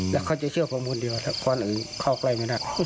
แล้วเขาจะเชื่อผมคนเดียวถ้าคนอื่นเข้าใกล้ไม่ได้